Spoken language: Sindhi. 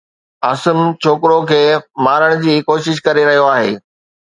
عاصم ڇوڪرو کي مارڻ جي ڪوشش ڪري رهيو آهي